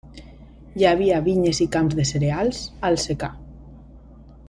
Hi havia vinyes i camps de cereals, al secà.